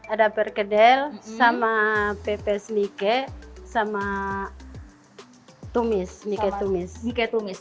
ada perkedel sama pepes ike sama tumis ike tumis